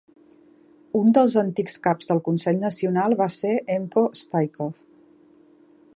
Un dels antics caps del Consell Nacional va ser Encho Staikov.